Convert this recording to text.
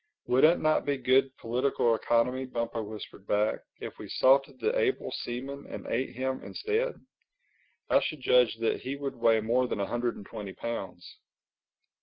"Would it not be good political economy," Bumpo whispered back, "if we salted the able seaman and ate him instead? I should judge that he would weigh more than a hundred and twenty pounds."